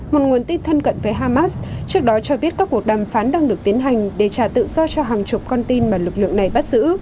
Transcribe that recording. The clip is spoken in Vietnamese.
một nguồn tin thân cận với hamas trước đó cho biết các cuộc đàm phán đang được tiến hành để trả tự do cho hàng chục con tin mà lực lượng này bắt giữ